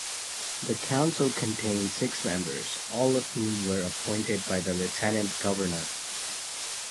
The council contained six members, all of whom were appointed by the Lieutenant-Governor.